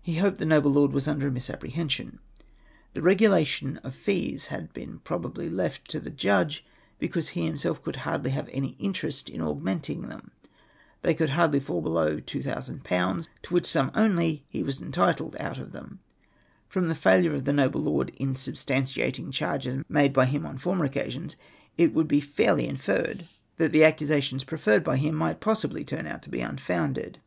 He hoped the noble lord was under a misapprehension. The regulation of the fees had been probably left to the Judge because he him self could hardly have any interest in augmenting them. They could hardly fall below 2000^., to which sum only he was entitled out of them. From the failure of the noble lord in substantiating charges made by him on former occa sions, it might be fairly inferred that accusations preferred by him might possibly turn out to be unfounded.